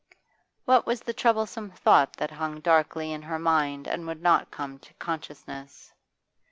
What was the troublesome thought that hung darkly in her mind and would not come to consciousness?